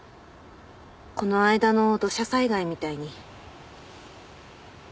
この間の土砂災害みたいに。